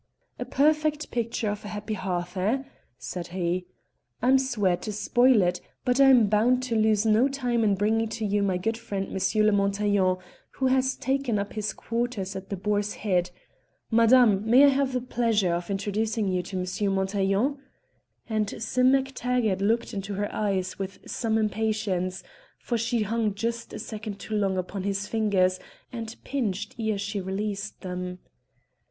"A perfect picture of a happy hearth, eh?" said he. "I'm sweared to spoil it, but I'm bound to lose no time in bringing to you my good friend M. Montaiglon, who has taken up his quarters at the Boar's Head. Madam, may I have the pleasure of introducing to you M. Montaiglon?" and Sim Mac Taggart looked in her eyes with some impatience, for she hung just a second too long upon his fingers, and pinched ere she released them.